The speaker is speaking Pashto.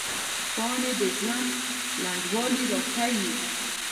پاڼې د ژوند لنډوالي راښيي